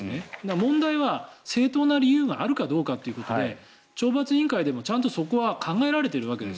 問題は正当な理由があるかどうかということで懲罰委員会でも、ちゃんとそこは考えられているわけです。